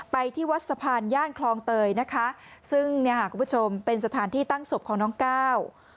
ที่วัดสะพานย่านคลองเตยนะคะซึ่งเนี่ยค่ะคุณผู้ชมเป็นสถานที่ตั้งศพของน้องก้าว